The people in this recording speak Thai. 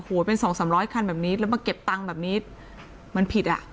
โอ้โหเป็นสองสามร้อยคันแบบนี้แล้วมาเก็บตังค์แบบนี้มันผิดอ่ะ